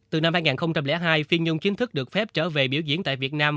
từ năm hai nghìn hai phiên nhung chính thức được phép trở về biểu diễn tại việt nam